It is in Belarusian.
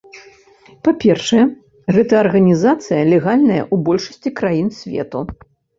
Па-першае, гэтая арганізацыя легальная ў большасці краін свету.